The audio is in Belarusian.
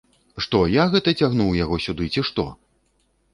Што, я гэта цягнуў яго сюды, ці што?